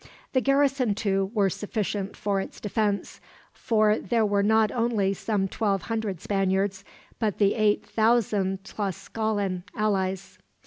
The garrison, too, were sufficient for its defense; for there were not only some twelve hundred Spaniards, but the eight thousand Tlascalan allies.